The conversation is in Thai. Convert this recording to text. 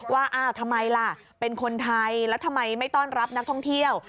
ว่าอ้าวทำไมล่ะเป็นคนไทยแล้วทำไมไม่ต้อนรับนักท่องเที่ยว